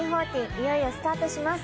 いよいよスタートします。